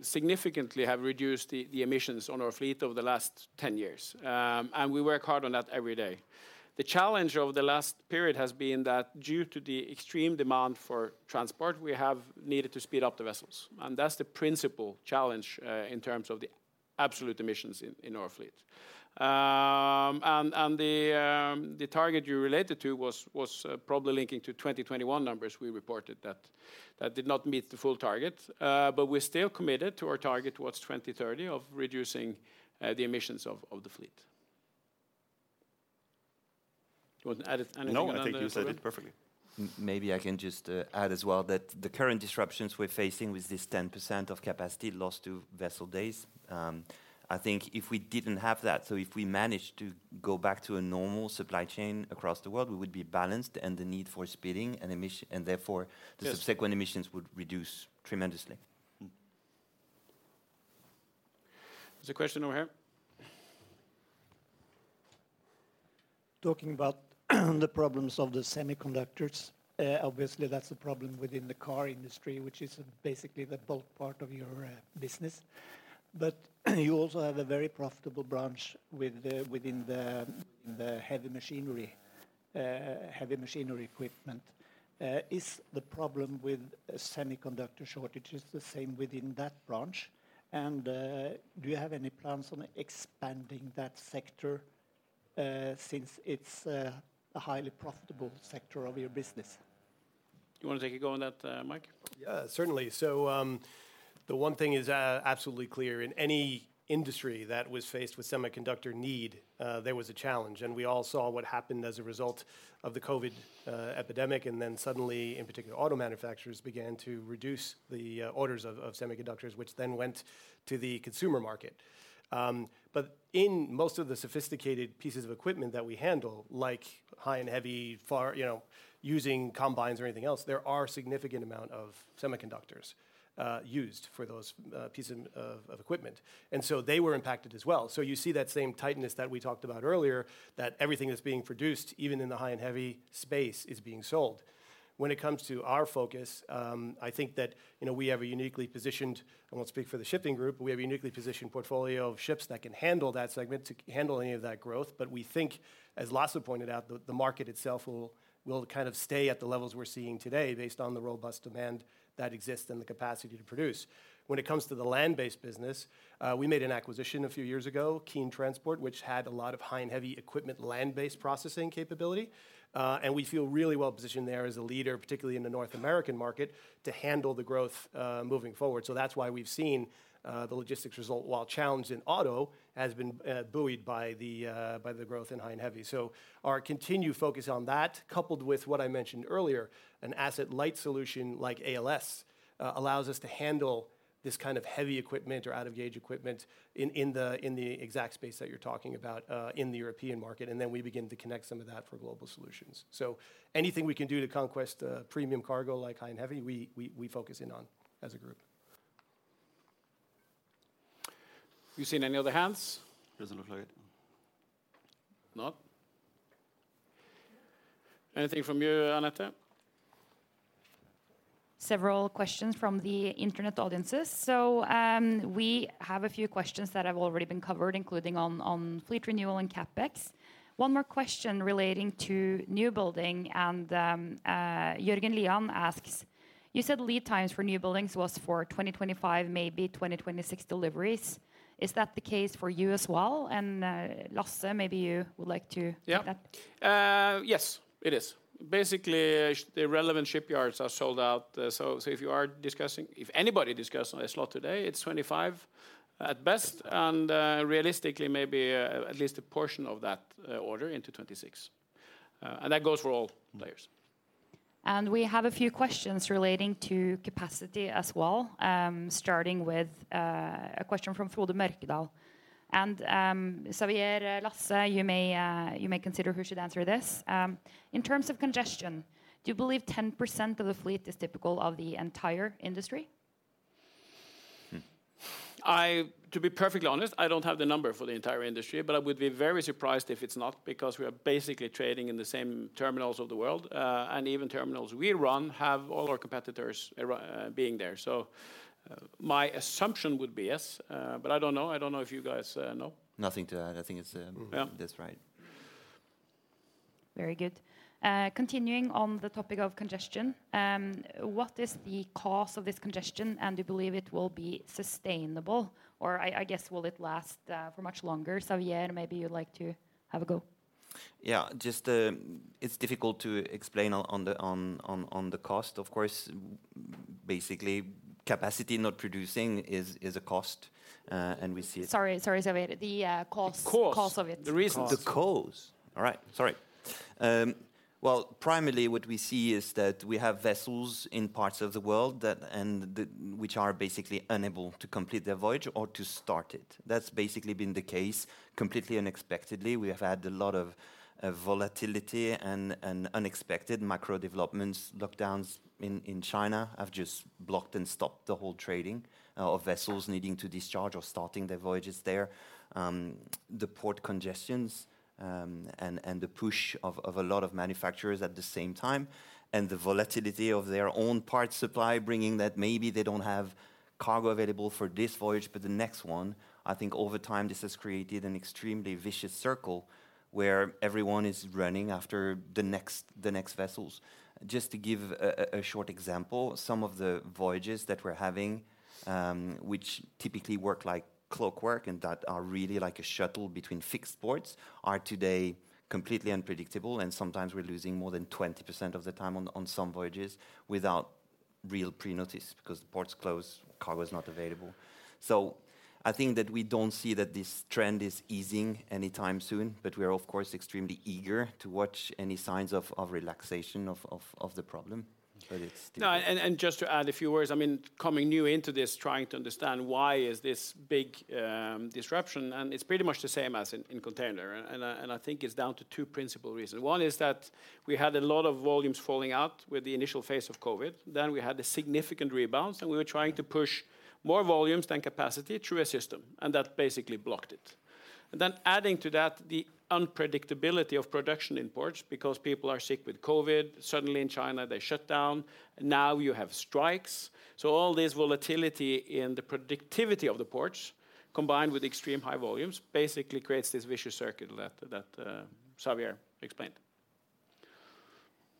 significantly have reduced the emissions on our fleet over the last 10 years. We work hard on that every day. The challenge over the last period has been that due to the extreme demand for transport, we have needed to speed up the vessels, and that's the principal challenge in terms of the absolute emissions in our fleet. The target you related to was probably linking to 2021 numbers we reported that did not meet the full target. We're still committed to our target towards 2030 of reducing the emissions of the fleet. You want to add, Anette, on the- No, I think you said it perfectly. Maybe I can just add as well that the current disruptions we're facing with this 10% of capacity lost to vessel days. I think if we didn't have that, so if we managed to go back to a normal supply chain across the world, we would be balanced. Yes The subsequent emissions would reduce tremendously. There's a question over here. Talking about the problems of the semiconductors, obviously that's a problem within the car industry, which is basically the bulk part of your business. You also have a very profitable branch within the heavy machinery equipment. Is the problem with semiconductor shortages the same within that branch? Do you have any plans on expanding that sector, since it's a highly profitable sector of your business? Do you want to take a go on that, Mike? Yeah, certainly. The one thing is absolutely clear. In any industry that was faced with semiconductor shortage, there was a challenge, and we all saw what happened as a result of the COVID pandemic. Then suddenly, in particular, auto manufacturers began to reduce the orders of semiconductors, which then went to the consumer market. In most of the sophisticated pieces of equipment that we handle, like high and heavy cargo, you know, using combines or anything else, there are significant amount of semiconductors used for those pieces of equipment, and so they were impacted as well. You see that same tightness that we talked about earlier, that everything that's being produced, even in the high and heavy space, is being sold. When it comes to our focus, I think that, you know, we have a uniquely positioned, I won't speak for the shipping group, we have a uniquely positioned portfolio of ships that can handle that segment, to handle any of that growth. We think, as Lasse pointed out, the market itself will kind of stay at the levels we're seeing today based on the robust demand that exists and the capacity to produce. When it comes to the land-based business, we made an acquisition a few years ago, Keen Transport, which had a lot of high and heavy equipment land-based processing capability. We feel really well-positioned there as a leader, particularly in the North American market, to handle the growth, moving forward. That's why we've seen the logistics result, while challenged in auto, has been buoyed by the growth in high and heavy. Our continued focus on that, coupled with what I mentioned earlier, an asset-light solution like ALS, allows us to handle this kind of heavy equipment or out-of-gauge equipment in the exact space that you're talking about in the European market, and then we begin to connect some of that for global solutions. Anything we can do to conquest premium cargo like high and heavy, we focus in on as a group. You seen any other hands? Doesn't look like it. No. Anything from you, Anette? Several questions from the internet audiences. We have a few questions that have already been covered, including on fleet renewal and CapEx. One more question relating to new building, and Jermund Lien asks, "You said lead times for new buildings was for 2025, maybe 2026 deliveries. Is that the case for you as well?" Lasse, maybe you would like to- Yeah Take that. Yes, it is. Basically, the relevant shipyards are sold out. If you are discussing, if anybody discusses a slot today, it's 2025 at best, and realistically maybe at least a portion of that order into 2026. That goes for all players. We have a few questions relating to capacity as well, starting with a question from Frode Mørkedal. Xavier, Lasse, you may consider who should answer this. In terms of congestion, do you believe 10% of the fleet is typical of the entire industry? To be perfectly honest, I don't have the number for the entire industry, but I would be very surprised if it's not, because we are basically trading in the same terminals of the world. Even terminals we run have all our competitors being there. My assumption would be yes, but I don't know. I don't know if you guys know. Nothing to add. I think it's. Yeah That's right. Very good. Continuing on the topic of congestion, what is the cause of this congestion, and do you believe it will be sustainable, or I guess, will it last for much longer? Xavier, maybe you'd like to have a go. Yeah. Just, it's difficult to explain on the cost. Of course, basically, capacity not producing is a cost, and we see it. Sorry. Sorry, Xavier. The cause- The cause. because of it. All right. Sorry. Well, primarily what we see is that we have vessels in parts of the world that which are basically unable to complete their voyage or to start it. That's basically been the case completely unexpectedly. We have had a lot of volatility and unexpected macro developments. Lockdowns in China have just blocked and stopped the whole trading of vessels needing to discharge or starting their voyages there. The port congestions and the push of a lot of manufacturers at the same time, and the volatility of their own parts supply bringing that maybe they don't have cargo available for this voyage, but the next one. I think over time this has created an extremely vicious circle where everyone is running after the next vessels. Just to give a short example, some of the voyages that we're having, which typically work like clockwork and that are really like a shuttle between fixed ports, are today completely unpredictable, and sometimes we're losing more than 20% of the time on some voyages without real prior notice because the port's closed, cargo's not available. I think that we don't see that this trend is easing anytime soon, but we are of course extremely eager to watch any signs of relaxation of the problem. It's difficult. No, just to add a few words, I mean, coming new into this, trying to understand why is this big disruption, and it's pretty much the same as in container, and I think it's down to two principal reasons. One is that we had a lot of volumes falling out with the initial phase of COVID. Then we had a significant rebound, so we were trying to push more volumes than capacity through a system, and that basically blocked it. Then adding to that, the unpredictability of production in ports because people are sick with COVID, suddenly in China they shut down, now you have strikes. All this volatility in the predictability of the ports, combined with extremely high volumes, basically creates this vicious circle that Xavier explained.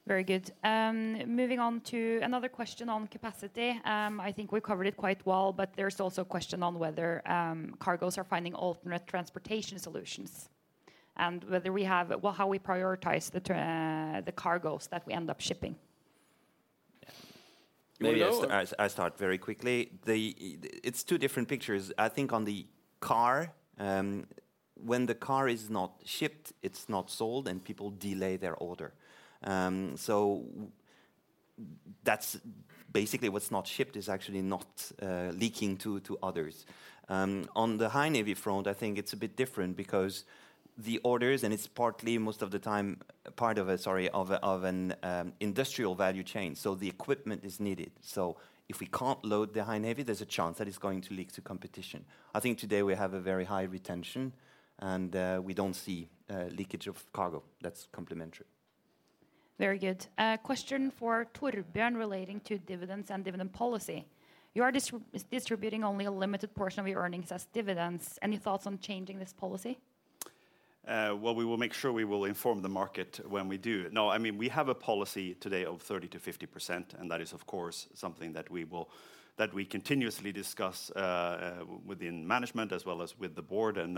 Very good. Moving on to another question on capacity. I think we covered it quite well, but there's also a question on whether cargoes are finding alternate transportation solutions, and whether we have well, how we prioritize the cargoes that we end up shipping. Maybe I s- Go. I start very quickly. It's two different pictures. I think on the car, when the car is not shipped, it's not sold, and people delay their order. That's basically what's not shipped is actually not leaking to others. On the high and heavy front, I think it's a bit different because the orders, and it's partly most of the time part of an industrial value chain, so the equipment is needed. If we can't load the high and heavy, there's a chance that it's going to leak to competition. I think today we have a very high retention, and we don't see leakage of cargo that's complementary. Very good. A question for Torbjørn relating to dividends and dividend policy. You are distributing only a limited portion of your earnings as dividends. Any thoughts on changing this policy? Well, we will make sure we inform the market when we do. No, I mean, we have a policy today of 30%-50%, and that is, of course, something that we continuously discuss within management as well as with the board, and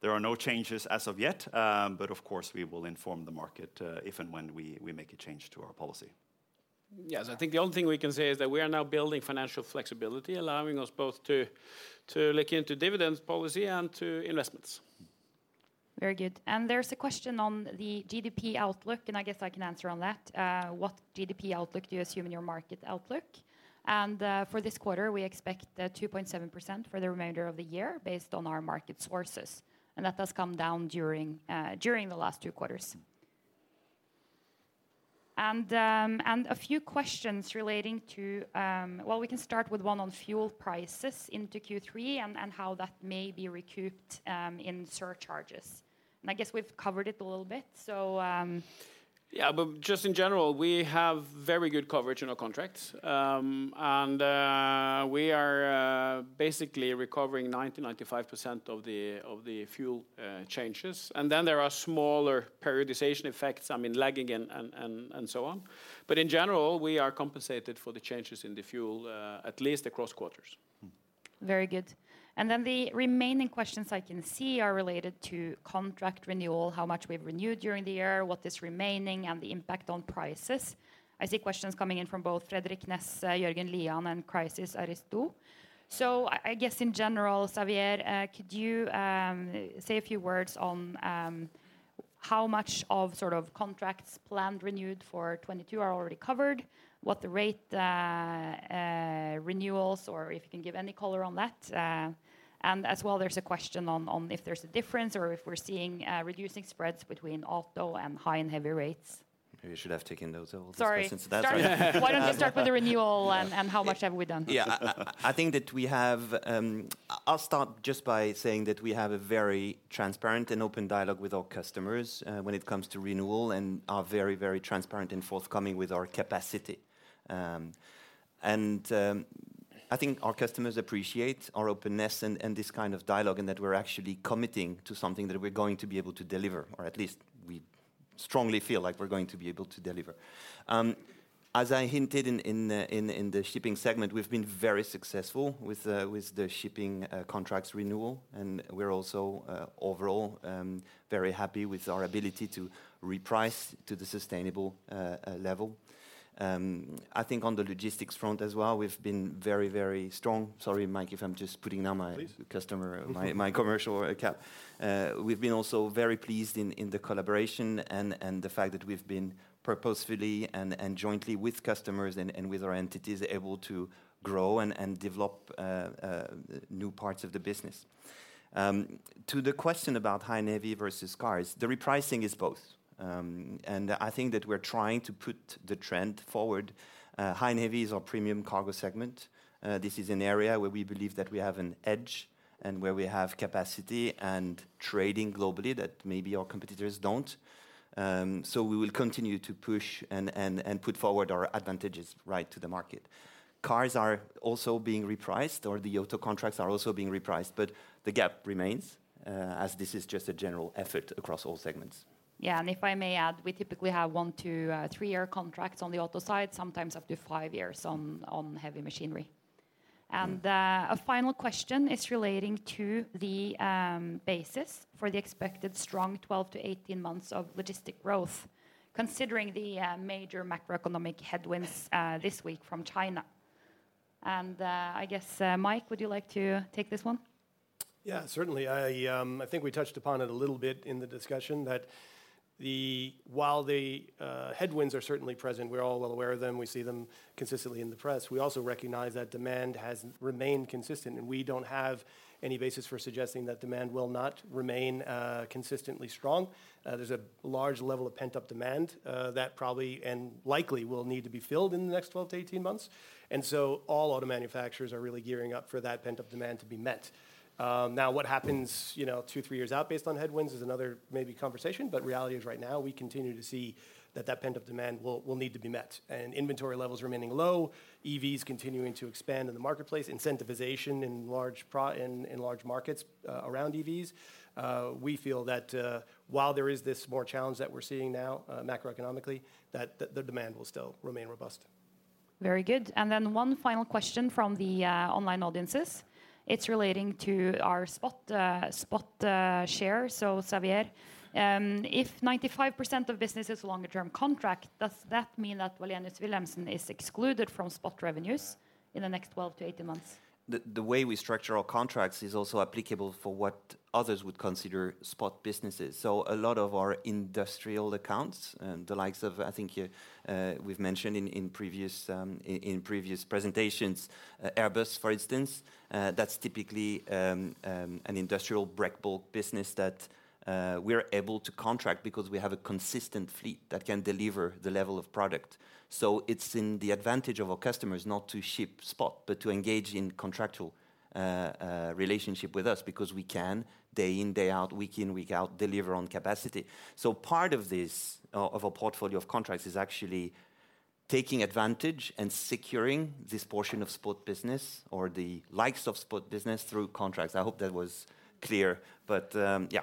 there are no changes as of yet, but of course we will inform the market if and when we make a change to our policy. Yes. I think the only thing we can say is that we are now building financial flexibility, allowing us both to look into dividends policy and to investments. Very good. There's a question on the GDP outlook, and I guess I can answer on that. What GDP outlook do you assume in your market outlook? For this quarter, we expect 2.7% for the remainder of the year based on our market sources, and that has come down during the last two quarters. A few questions relating to well, we can start with one on fuel prices into Q3 and how that may be recouped in surcharges. I guess we've covered it a little bit. Yeah. Just in general, we have very good coverage in our contracts, and we are basically recovering 90%-95% of the fuel changes. Then there are smaller periodization effects, I mean, lagging and so on. In general, we are compensated for the changes in the fuel at least across quarters. Very good. The remaining questions I can see are related to contract renewal, how much we've renewed during the year, what is remaining, and the impact on prices. I see questions coming in from both Frederik Ness, Jermund Lien, and Christos Aristo. I guess in general, Xavier, could you say a few words on how much of sort of contracts planned renewed for 2022 are already covered? What the rate renewals, or if you can give any color on that. As well, there's a question on if there's a difference or if we're seeing reducing spreads between auto and high and heavy rates. Maybe you should have taken those old discussions. Sorry. That's all right. Why don't you start with the renewal and how much have we done? Yeah. I think I'll start just by saying that we have a very transparent and open dialogue with our customers when it comes to renewal and are very transparent and forthcoming with our capacity. I think our customers appreciate our openness and this kind of dialogue, and that we're actually committing to something that we're going to be able to deliver, or at least strongly feel like we're going to be able to deliver. As I hinted in the shipping segment, we've been very successful with the shipping contracts renewal, and we're also overall very happy with our ability to reprice to the sustainable level. I think on the logistics front as well, we've been very strong. Sorry, Mike, if I'm just putting on my Please Customer, my commercial cap. We've been also very pleased in the collaboration and the fact that we've been purposefully and jointly with customers and with our entities able to grow and develop new parts of the business. To the question about high and heavy versus cars, the repricing is both. I think that we're trying to put the trend forward. High and heavy is our premium cargo segment. This is an area where we believe that we have an edge and where we have capacity and trading globally that maybe our competitors don't. We will continue to push and put forward our advantages right to the market. Cars are also being repriced, or the auto contracts are also being repriced, but the gap remains, as this is just a general effort across all segments. If I may add, we typically have one to three-year contracts on the auto side, sometimes up to five years on heavy machinery. Mm-hmm. A final question is relating to the basis for the expected strong 12-18 months of logistics growth, considering the major macroeconomic headwinds this week from China. I guess, Mike, would you like to take this one? Yeah. Certainly. I think we touched upon it a little bit in the discussion that while the headwinds are certainly present, we're all well aware of them, we see them consistently in the press, we also recognize that demand has remained consistent, and we don't have any basis for suggesting that demand will not remain consistently strong. There's a large level of pent-up demand that probably and likely will need to be filled in the next 12-18 months. All auto manufacturers are really gearing up for that pent-up demand to be met. Now, what happens, you know, two, three years out based on headwinds is another maybe conversation, but reality is right now we continue to see that pent-up demand will need to be met. Inventory levels remaining low, EVs continuing to expand in the marketplace, incentivization in large markets around EVs, we feel that while there is this more challenge that we're seeing now, macroeconomically, that the demand will still remain robust. Very good. One final question from the online audiences. It's relating to our spot share. Xavier, if 95% of business is longer term contract, does that mean that Wallenius Wilhelmsen is excluded from spot revenues in the next 12-18 months? The way we structure our contracts is also applicable for what others would consider spot businesses. A lot of our industrial accounts, the likes of, I think, we've mentioned in previous presentations, Airbus, for instance, that's typically an industrial break bulk business that we're able to contract because we have a consistent fleet that can deliver the level of product. It's in the advantage of our customers not to ship spot, but to engage in contractual relationship with us because we can day in, day out, week in, week out, deliver on capacity. Part of this of a portfolio of contracts is actually taking advantage and securing this portion of spot business or the likes of spot business through contracts. I hope that was clear. Yeah.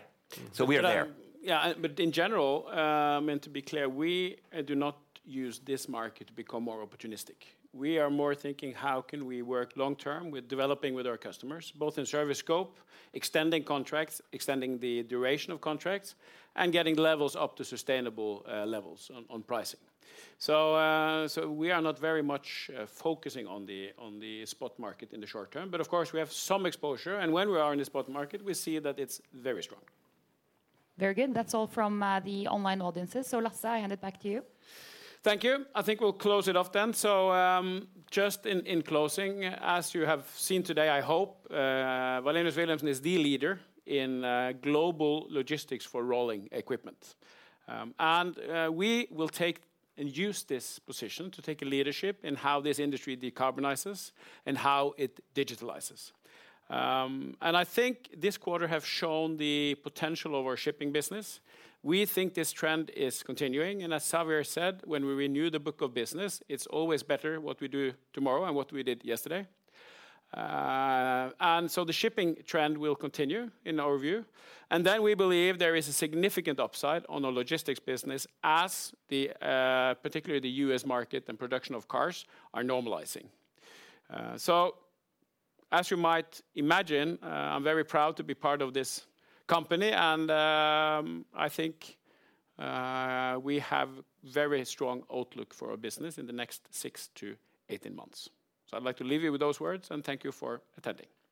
We are there. Yeah. In general, and to be clear, we do not use this market to become more opportunistic. We are more thinking, how can we work long term with developing with our customers, both in service scope, extending contracts, extending the duration of contracts, and getting levels up to sustainable levels on pricing. We are not very much focusing on the spot market in the short term, but of course, we have some exposure, and when we are in the spot market, we see that it's very strong. Very good. That's all from the online audiences. Lasse, I hand it back to you. Thank you. I think we'll close it off then. Just in closing, as you have seen today, I hope, Wallenius Wilhelmsen is the leader in global logistics for rolling equipment. We will take and use this position to take a leadership in how this industry decarbonizes and how it digitalizes. I think this quarter have shown the potential of our shipping business. We think this trend is continuing, and as Xavier said, when we renew the book of business, it's always better what we do tomorrow than what we did yesterday. The shipping trend will continue in our view. We believe there is a significant upside on the logistics business as the particularly the U.S. market and production of cars are normalizing. As you might imagine, I'm very proud to be part of this company and, I think, we have very strong outlook for our business in the next six to18 months. I'd like to leave you with those words, and thank you for attending. Thank you.